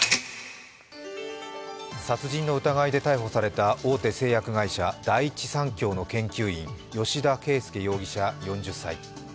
殺人の疑いで逮捕された大手製薬会社第一三共の研究員、吉田佳右容疑者４０歳。